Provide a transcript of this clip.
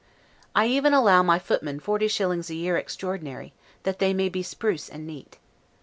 I even allow my footman forty shillings a year extraordinary, that they may be spruce and neat.